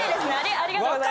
ありがとうございます。